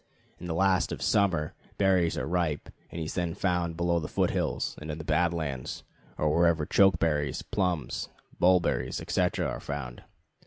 In the last of summer, berries are ripe, and he is then found below the foot hills, and in the Bad Lands, or wherever chokeberries, plums, bulberries, etc., are found.